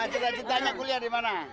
cita citanya kuliah di mana